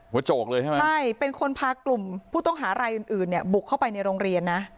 โจกเลยใช่ไหมใช่เป็นคนพากลุ่มผู้ต้องหารายอื่นอื่นเนี่ยบุกเข้าไปในโรงเรียนนะ